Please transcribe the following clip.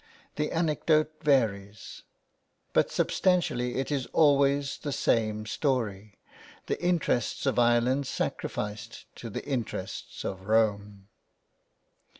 .. The anecdote varies, but substantially it is always the same story : The interests of Ireland sacrificed to the interests of Rome.